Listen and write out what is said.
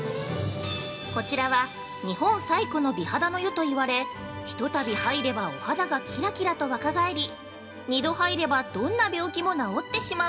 ◆こちらは日本最古の美肌の湯と言われ一度入ればお肌がキラキラと若返り二度入ればどんな病気も治ってしまう。